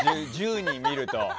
１０人を見ると。